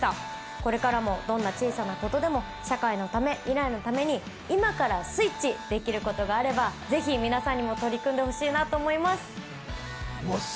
これからも、どんな小さなことでも社会のため未来のために今からスイッチできることがあれば、ぜひ皆さんにも取り組んでもらいたいなと思います。